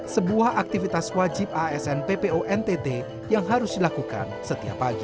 sebuah aktivitas wajib asn ppo ntt yang harus dilakukan setiap pagi